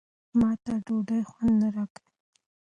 ما ته ډوډۍ خوند نه راکوي.